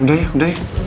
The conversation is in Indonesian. udah ya udah ya